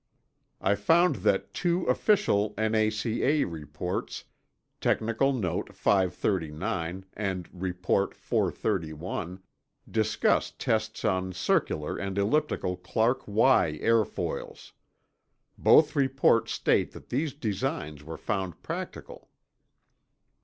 I found that two official N.A.C.A. reports, Technical Note 539 and Report 431, discuss tests on circular and elliptical Clark Y airfoils. Both reports state that these designs were found practical.